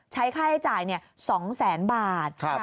ใช้ค่าให้จ่ายเนี่ย๒๐๐๐๐๐บาท